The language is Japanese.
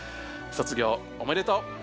卒業おめでとう！